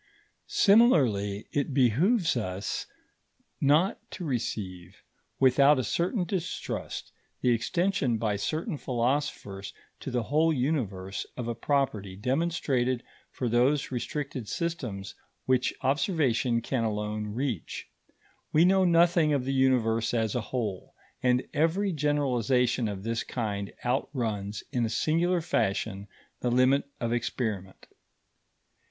Similarly, it behoves us not to receive without a certain distrust the extension by certain philosophers to the whole Universe, of a property demonstrated for those restricted systems which observation can alone reach. We know nothing of the Universe as a whole, and every generalization of this kind outruns in a singular fashion the limit of experiment.